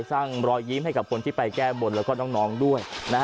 รอยยิ้มให้กับคนที่ไปแก้บนแล้วก็น้องด้วย